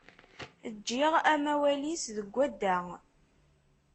Ǧǧiɣ amawal-is deg wadda.